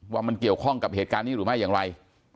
ว่ามันเกี่ยวข้องกับเหตุการณ์นี้หรือไม่อย่างไร